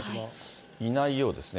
いないようですね。